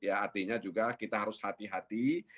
artinya juga kita harus hati hati